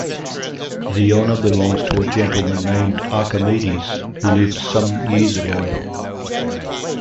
The honour belongs to a gentleman named Archimedes, who lived some years ago.